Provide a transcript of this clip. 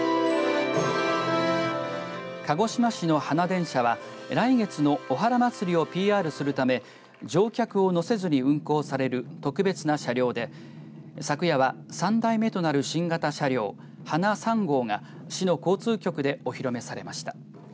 鹿児島市の花電車は来月のおはら祭をＰＲするため乗客を乗せずに運行される特別な車両で昨夜は３代目となる新型車両花３号が市の交通局でお披露目されました。